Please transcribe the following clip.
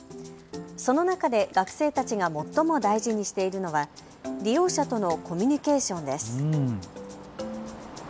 その中で学生たちが最も大事にしているのは利用者とのコミュニケーションです。